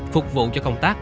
phục vụ cho công tác